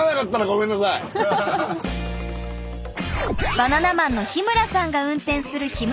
バナナマンの日村さんが運転するひむ